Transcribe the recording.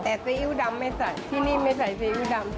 แต่ซีอิ๊วดำไม่ใส่ที่นี่ไม่ใส่ซีอิ๊วดำ